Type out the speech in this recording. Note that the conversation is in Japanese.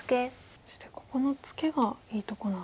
そしてここのツケがいいとこなんですね。